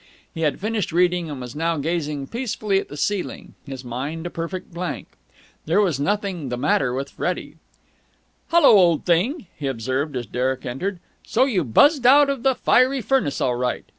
He had finished reading, and was now gazing peacefully at the ceiling, his mind a perfect blank. There was nothing the matter with Freddie. "Hullo, old thing," he observed as Derek entered. "So you buzzed out of the fiery furnace all right?